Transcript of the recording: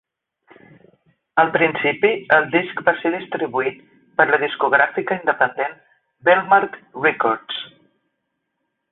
Al principi el disc va ser distribuït per la discogràfica independent Bellmark Records.